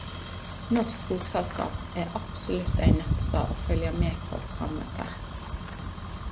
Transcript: Norsk Bokselskap er absolutt ein nettstad å følgja med på frametter.